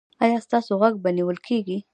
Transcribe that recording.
ایا ستاسو غږ به نیول کیږي؟